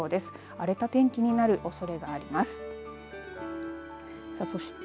荒れた天気になるおそれがあります。